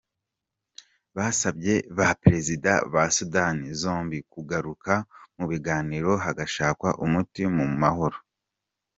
Basabye ba Perezida ba za Sudani zombi kugaruka mu biganiro hagashakwa umuti mu mahoro.